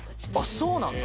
そうなんだ。